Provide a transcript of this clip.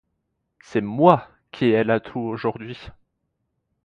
C'est moi qui ai l'atout aujourd'hui!